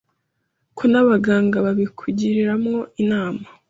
ko n’abaganga babikugiramo inama.